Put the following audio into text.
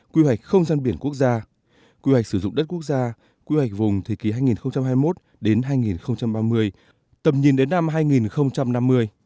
quy hoạch không gian biển quốc gia quy hoạch sử dụng đất quốc gia quy hoạch vùng thời kỳ hai nghìn hai mươi một đến hai nghìn ba mươi tầm nhìn đến năm hai nghìn năm mươi